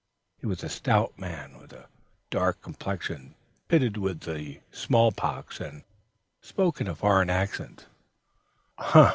He was a stout man, with a dark complexion, pitted with the small pox, and spoke in a foreign accent.